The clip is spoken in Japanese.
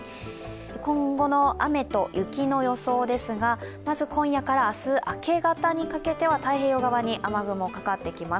今後の雨と雪の予想ですがまず今夜から明日明け方にかけては太平洋側に雨雲、かかってきます。